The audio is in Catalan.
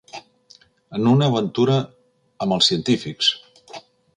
En una aventura amb els científics!